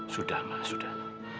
sudah ma sudah